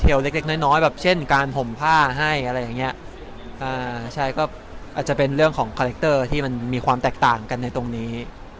เทียวเล็กน้อยเช่นการห่มผ้าให้ใช่ก็อาจจะเป็นเรื่องของคาเล็กเตอร์ที่มีความแตกต่างกันในตรงนี้